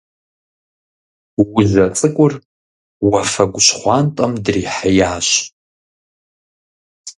Ужьэ цӀыкӀур уафэгу щхъуантӀэм дрихьеящ.